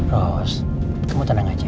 ros kamu tenang aja